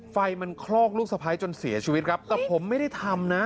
ไฟมันคลอกลูกสะพ้ายจนเสียชีวิตครับแต่ผมไม่ได้ทำนะ